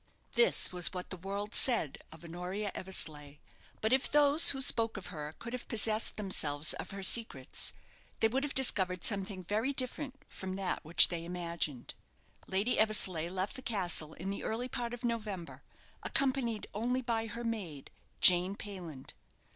This was what the world said of Honoria Eversleigh; but if those who spoke of her could have possessed themselves of her secrets, they would have discovered something very different from that which they imagined. Lady Eversleigh left the castle in the early part of November accompanied only by her maid, Jane Payland.